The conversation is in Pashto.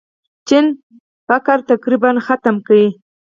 چین فقر تقریباً ختم کړ.